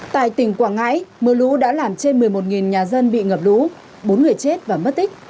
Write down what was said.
tại tỉnh quảng ngãi mưa lũ đã làm trên một mươi một nhà dân bị ngập lũ bốn người chết và mất tích